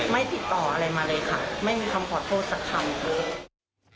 ไม่ติดต่ออะไรมาเลยค่ะไม่มีคำขอโทษสักคำเลย